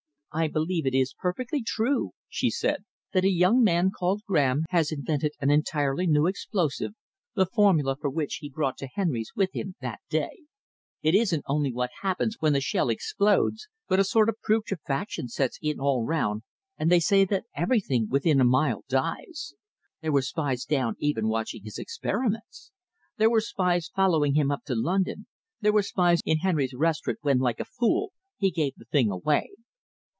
"I believe it is perfectly true," she said, "that a young man called Graham has invented an entirely new explosive, the formula for which he brought to Henry's with him that day. It isn't only what happens when the shell explodes, but a sort of putrefaction sets in all round, and they say that everything within a mile dies. There were spies down even watching his experiments. There were spies following him up to London, there were spies in Henry's Restaurant when like a fool he gave the thing away.